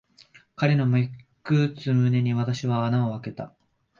彼の脈打つ胸に、私は穴をあけた。